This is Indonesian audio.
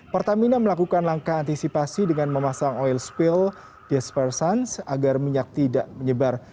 pertamina melakukan langkah antisipasi dengan memasang oil spill despersance agar minyak tidak menyebar